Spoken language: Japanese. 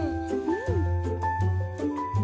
うん。